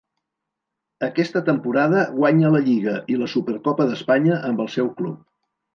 Aquesta temporada guanya la lliga i la Supercopa d'Espanya amb el seu club.